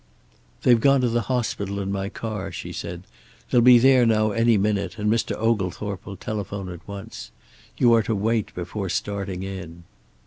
"They've gone to the hospital in my car," she said. "They'll be there now any minute, and Mr. Oglethorpe will telephone at once. You are to wait before starting in."